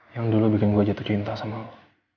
yang dulu bikin gue jatuh cinta sama